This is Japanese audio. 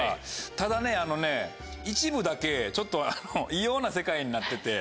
ただね一部だけちょっと異様な世界になってて。